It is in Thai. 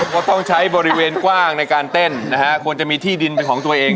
ก็ต้องใช้บริเวณกว้างในการเต้นนะฮะควรจะมีที่ดินเป็นของตัวเอง